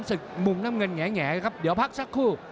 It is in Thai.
ติดตามยังน้อยกว่า